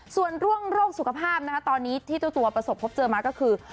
ส่วนเรื่องโรคสุขภาพนะคะตอนนี้ที่เจ้าตัวประสบพบเจอมาก็คือ